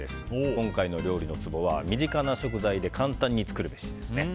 今回の料理のツボは身近な食材で簡単に作るべしです。